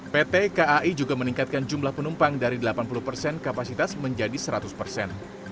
pt kai juga meningkatkan jumlah penumpang dari delapan puluh persen kapasitas menjadi seratus persen